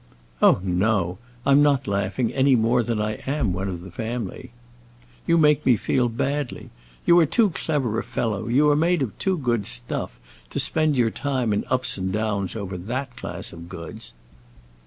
"Oh, no, I'm not laughing, any more than I am one of the family. You make me feel badly. You are too clever a fellow, you are made of too good stuff, to spend your time in ups and downs over that class of goods.